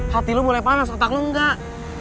hati lu boleh panas otak enggak